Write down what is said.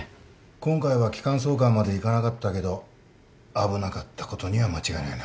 今回は気管挿管までいかなかったけど危なかったことには間違いないな。